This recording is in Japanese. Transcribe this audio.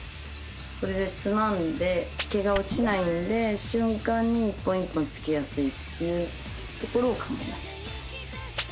これでつまんで毛が落ちないんで瞬間に一本一本つけやすいっていうところを考えました。